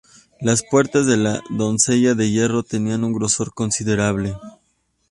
Las puertas de la doncella de hierro tenían un grosor considerable.